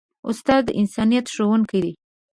استاد د انسانیت ښوونکی دی.